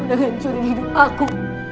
ngancurin hidup aku